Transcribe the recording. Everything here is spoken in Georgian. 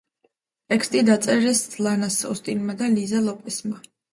ტექსტი დაწერეს დალას ოსტინმა და ლიზა ლოპესმა.